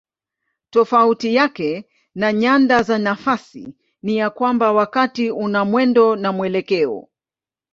Tofauti yake na nyanda za nafasi ni ya kwamba wakati una mwendo na mwelekeo.